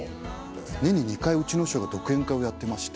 年に２回うちの師匠が独演会をやってまして。